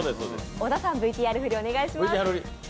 小田さん、ＶＴＲ振りお願いします。